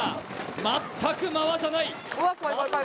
全く回さない。